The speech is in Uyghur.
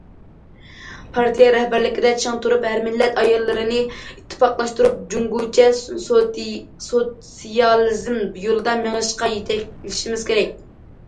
پارتىيە رەھبەرلىكىدە چىڭ تۇرۇپ، ھەر مىللەت ئاياللىرىنى ئىتتىپاقلاشتۇرۇپ، جۇڭگوچە سوتسىيالىزم يولىدا مېڭىشقا يېتەكلىشىمىز كېرەك.